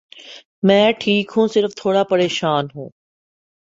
میں ٹھیک ہوں، صرف تھوڑا پریشان ہوں۔